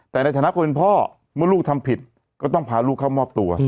แต่ในฐานะคนเป็นพ่อเมื่อลูกทำผิดก็ต้องพาลูกเข้ามอบตัว